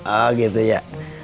oh gitu ya